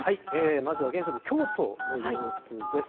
まずは現在の京都の様子です。